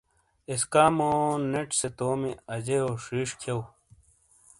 ایسکامو ٹیٹ سے تومی آجیو ݜیݜ کھؤ۔